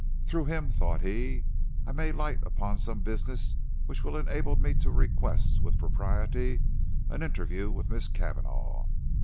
"Through him," thought he, "I may light upon some business which will enable me to request with propriety an interview with Miss Cavanagh."